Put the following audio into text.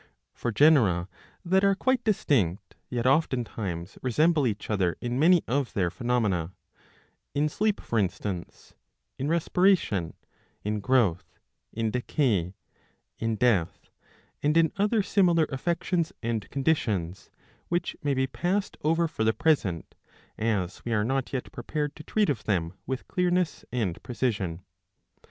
For genera ^ that are quite distinct yet oftentimes resemble each other in many of their phenomena ; in sleep, for instance, in respiration, in growth, in decay, in death, 639 a. j^ 2 1. I. and in other similar affections and conditions, which may be passed over for the present, as we are not yet prepared to treat of them with clearness and precision.